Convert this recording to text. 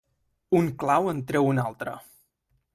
Un clau en trau un altre.